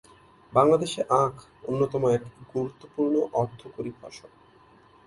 বাংলাদেশে আখ অন্যতম এক গুরুত্বপূর্ণ অর্থকরী ফসল।